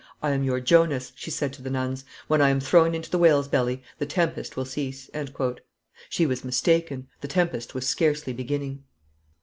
"I am your Jonas," she said to the nuns; "when I am thrown into the whale's belly the tempest will cease." She was mistaken; the tempest was scarcely beginning.